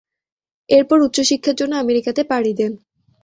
এরপর উচ্চশিক্ষার জন্য আমেরিকাতে পাড়ি দেন।